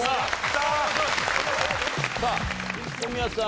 さあ小宮さん